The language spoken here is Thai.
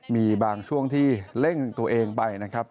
มีบางช่วงที่เร่งตัวเองไปนะครับ